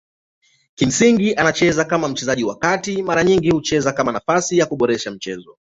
Kimsingi anacheza kama mchezaji wa kati mara nyingi kucheza katika nafasi kuboresha mchezo.